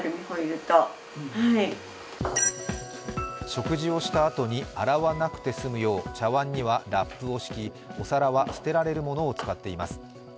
食事をしたあとに洗わなくてすむよう茶碗にはラップを敷きお皿は捨てられるものを使っています。